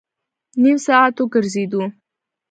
نیم ساعت وګرځېدو.